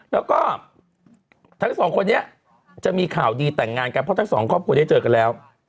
แล้วก็ทั้งสองคนนี้จะมีข่าวดีแต่งงานกันเพราะทั้งสองครอบครัวได้เจอกันแล้ว